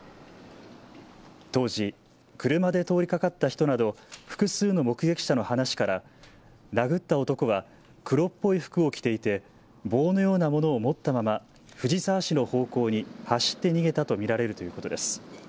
当時、車で通りかかった人など複数の目撃者の話から殴った男は黒っぽい服を着ていて棒のようなものを持ったまま藤沢市の方向に走って逃げたと見られるということです。